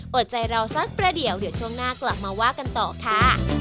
อดใจเราสักประเดี๋ยวเดี๋ยวช่วงหน้ากลับมาว่ากันต่อค่ะ